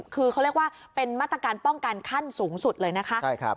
คือเขาเรียกว่าเป็นมาตรการป้องกันขั้นสูงสุดเลยนะคะ